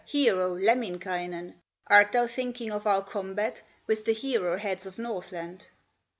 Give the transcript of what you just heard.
hero, Lemminkainen, Art thou thinking of our combat With the hero heads of Northland?"